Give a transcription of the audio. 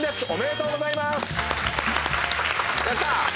おめでとうございます！